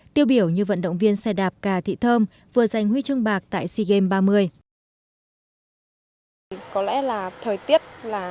tiêu biểu như vận động viên xe đạp cà thị thơm vừa giành huy chương bạc tại sea games ba mươi